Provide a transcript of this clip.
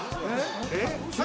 えっ。